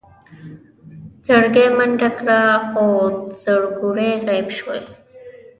زرکې منډه کړه خو زرکوړي غيب شول.